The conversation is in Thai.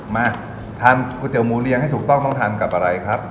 มาทานก๋วยเตี๋ยหมูเรียงให้ถูกต้องต้องทานกับอะไรครับ